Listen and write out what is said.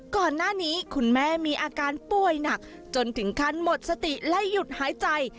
ก่อนหน้านี้คุณแม่มีอาการป่วยหนักจนถึงขั้นหมดสติและหยุดหายใจ